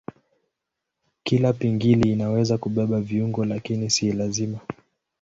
Kila pingili inaweza kubeba viungo lakini si lazima.